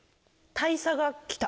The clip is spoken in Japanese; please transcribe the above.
大佐が来た？